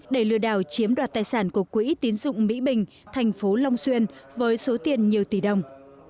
để lừa đảo chiếm đoạt tài sản của quỹ tín dụng mỹ bình thành phố long xuyên với số tiền nhiều tỷ đồng